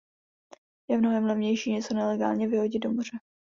Je mnohem levnější něco nelegálně vyhodit do moře.